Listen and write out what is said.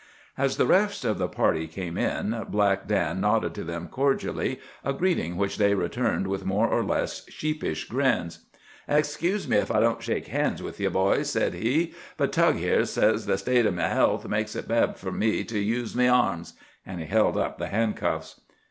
As the rest of the party came in Black Dan nodded to them cordially, a greeting which they returned with more or less sheepish grins. "Excuse me ef I don't shake hands with ye, boys," said he, "but Tug here says the state o' me health makes it bad for me to use me arms." And he held up the handcuffs.